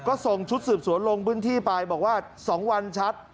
ก็ส่งชุดสืบสวนลงพื้นที่ไปบอกว่า๒วันชัด